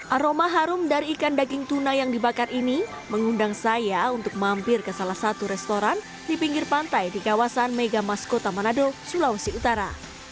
aroma harum dari ikan daging tuna yang dibakar ini mengundang saya untuk mampir ke salah satu restoran di pinggir pantai di kawasan megamas kota manado sulawesi utara